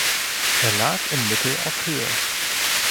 Er lag im Mittel auf Höhe.